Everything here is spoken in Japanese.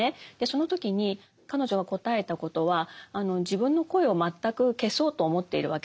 その時に彼女が答えたことは自分の声を全く消そうと思っているわけではない。